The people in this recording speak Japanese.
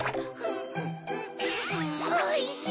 おいしい！